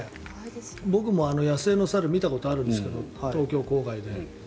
僕も野生の猿見たことあるんですけど東京郊外で。